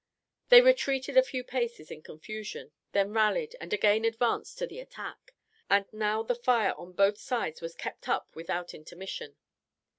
They retreated a few paces in confusion, then rallied, and again advanced to the attack; and now the fire on both sides was kept up without intermission.